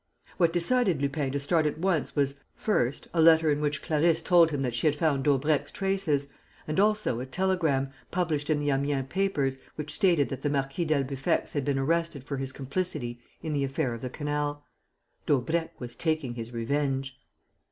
What decided Lupin to start at once was, first, a letter in which Clarisse told him that she had found Daubrecq's traces, and, also, a telegram, published in the Amiens papers, which stated that the Marquis d'Albufex had been arrested for his complicity in the affair of the canal. Daubrecq was taking his revenge.